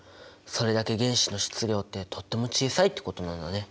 それだけ原子の質量ってとっても小さいってことなんだね。